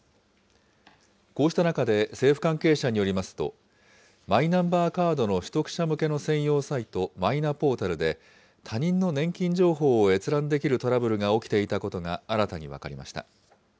こうした中で、政府関係者によりますと、マイナンバーカードの取得者向けの専用サイト、マイナポータルで、他人の年金情報を閲覧できるトラブルが起きていたことが、新たに分かりました。